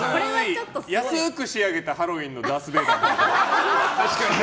安く仕上げたハロウィーンのダース・ベーダーみたいな。